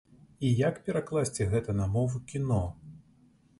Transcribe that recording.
І як перакласці гэта на мову кіно?